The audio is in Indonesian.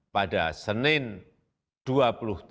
pada bulan maret